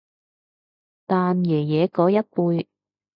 但爺爺嗰一輩